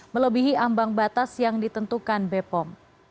melebihi ambang batas yang ditentukan bepom